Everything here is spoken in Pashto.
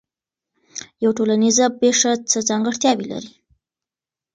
یوه ټولنیزه پېښه څه ځانګړتیاوې لري؟